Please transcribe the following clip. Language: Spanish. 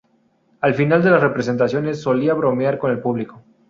Al final de las representaciones solía bromear con el público.